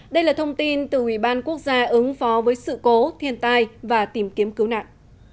đây là thông tin từ ủy ban quốc gia ứng phó với sự cố thiên tai và tìm kiếm cứu nạn